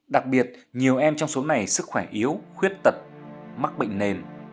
đặc biệt nhiều em trong số này sức khỏe yếu khuyết tật mắc bệnh nền